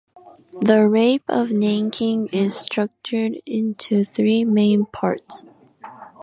"The Rape of Nanking" is structured into three main parts.